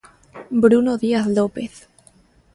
Bruno Díaz López.